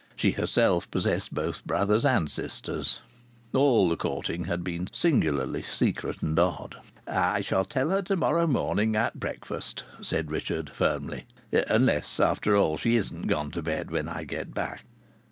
(She herself possessed both brothers and sisters.) All the courting had been singularly secret and odd. "I shall tell her to morrow morning at breakfast," said Richard, firmly. "Unless, after all, she isn't gone to bed when I get back."